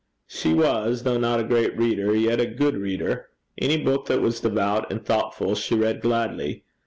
She was, though not a great reader, yet a good reader. Any book that was devout and thoughtful she read gladly.